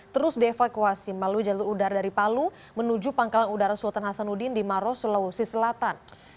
terus dievakuasi melalui jalur udara dari palu menuju pangkalan udara sultan hasanuddin di maros sulawesi selatan